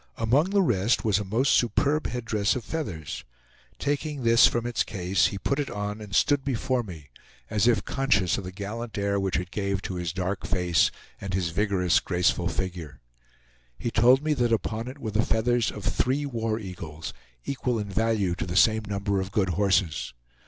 Among the rest was a most superb headdress of feathers. Taking this from its case, he put it on and stood before me, as if conscious of the gallant air which it gave to his dark face and his vigorous, graceful figure. He told me that upon it were the feathers of three war eagles, equal in value to the same number of good horses.